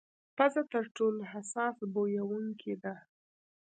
پزه تر ټولو حساس بویونکې ده.